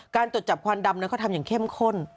การตรวจจับควันดำก็ทำอย่างเข้มข้น